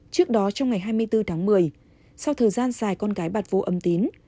trước đó trong ngày hai mươi bốn tháng một mươi sau thời gian dài con gái bạt vô âm tín